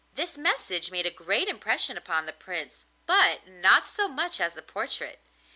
This message made a great impression upon the Prince, but not so much as the portrait.